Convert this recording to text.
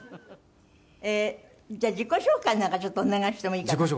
ええじゃあ自己紹介なんかちょっとお願いしてもいいかしら？